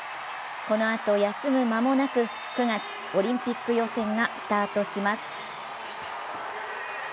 このあと休む間もなく９月、オリンピック予選がスタートします。